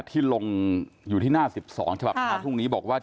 ที่ลงอยู่ที่หน้าสิบสองฉบับคาทุ่งนี้บอกว่า